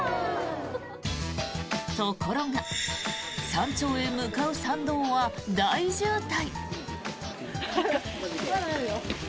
ところが山頂へ向かう参道は大渋滞。